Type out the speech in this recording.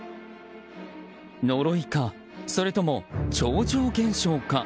呪いか、それとも超常現象か。